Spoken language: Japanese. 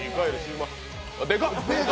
でかっ！